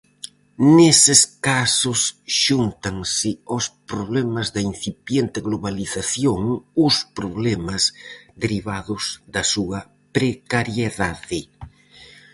Neses casos xúntanse aos problemas da incipiente globalización, os problemas derivados da súa precariedade.